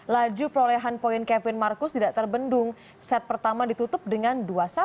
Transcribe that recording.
laju perolehan poin kevin marcus tidak terbendung set pertama ditutup dengan dua satu